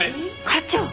課長！